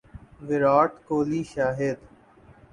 Virat Kohli Shahid